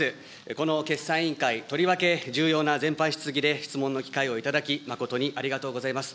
この決算委員会、とりわけ重要な全般質疑で質問の機会を頂き、誠にありがとうございます。